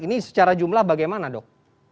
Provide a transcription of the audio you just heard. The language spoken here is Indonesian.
ini secara jumlah bagaimana dok